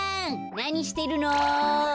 なにしてるの？